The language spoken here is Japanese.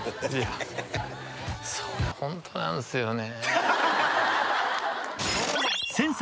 それ、ホントなんすよね。